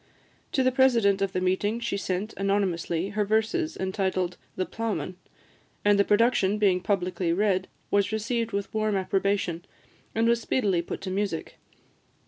To the president of the meeting she sent, anonymously, her verses entitled "The Ploughman;" and the production being publicly read, was received with warm approbation, and was speedily put to music.